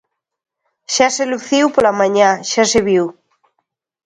Xa se luciu pola mañá, xa se viu.